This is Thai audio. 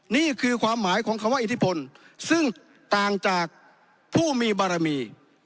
นี่คือความหมายของคำว่าอิทธิพลซึ่งต่างจากผู้มีบารมี